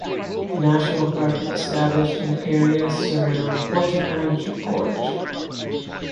The national park was established in the area surround Porcupine Gorge.